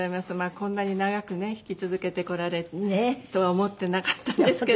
こんなに長くね弾き続けてこられるとは思ってなかったんですけど。